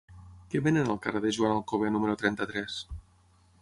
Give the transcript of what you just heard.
Què venen al carrer de Joan Alcover número trenta-tres?